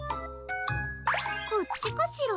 こっちかしら？